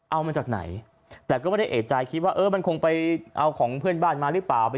เอามาจากไหนแต่ก็ไม่ได้เอกใจคิดว่าเออมันคงไปเอาของเพื่อนบ้านมาหรือเปล่า